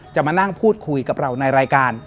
มานั่งพูดคุยกับเราในรายการ